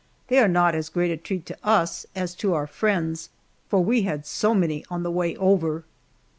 They are not as great a treat to us as to our friends, for we had so many on the way over.